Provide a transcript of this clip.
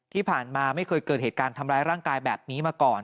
ที่ผ่านมาไม่เคยเกิดเหตุการณ์ทำร้ายร่างกายแบบนี้มาก่อน